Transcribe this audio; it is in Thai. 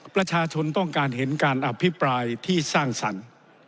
ประชาชนต้องการเห็นการอภิปรายที่สร้างสรรค์